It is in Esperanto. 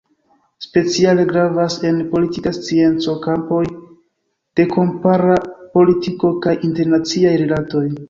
Speciale gravas en politika scienco kampoj de kompara politiko kaj internaciaj rilatoj.